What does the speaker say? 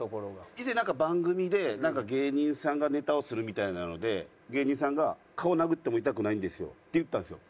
以前なんか番組で芸人さんがネタをするみたいなので芸人さんが「顔殴っても痛くないんですよ」って言ったんですよ。